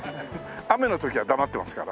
雨の時は黙ってますから。